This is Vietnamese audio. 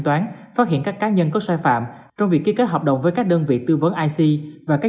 toán phát hiện các cá nhân có sai phạm trong việc ký kết hợp đồng với các đơn vị tư vấn ic và các